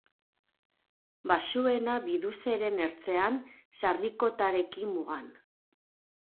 Baxuena Biduzeren ertzean, Sarrikotarekin mugan.